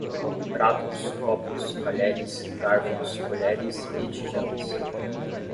Pratos, copos, talheres, garfos, colheres e tigelas